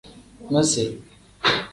Misi.